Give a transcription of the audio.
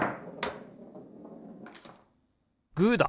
グーだ！